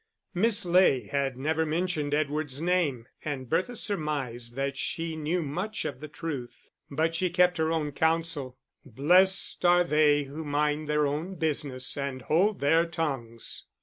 Miss Ley had never mentioned Edward's name and Bertha surmised that she knew much of the truth. But she kept her own counsel: blessed are they who mind their own business and hold their tongues!